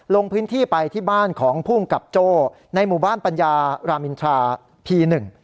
ลงพื้นที่ไปที่บ้านของภูมิกับโจ้ในหมู่บ้านปัญญารามอินทราพีหนึ่ง